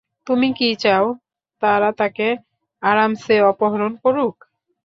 তুমি কি চাও তারা তাকে আরামসে অপহরণ করুক?